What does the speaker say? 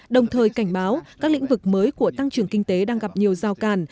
đồng thời cảnh báo các lĩnh vực mới của tăng trưởng kinh tế đang gặp nhiều giao càn